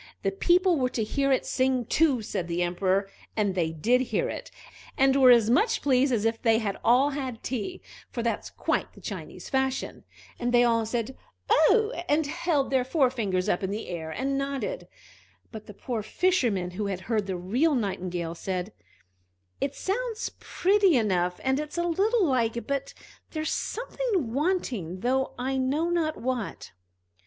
The people were to hear it sing too, said the Emperor; and they did hear it, and were as much pleased as if they had all had tea, for that's quite the Chinese fashion; and they all said "Oh!" and held their forefingers up in the air and nodded. But the poor Fisherman, who had heard the real Nightingale, said: "It sounds pretty enough, and it's a little like, but there's something wanting, though I know not what!"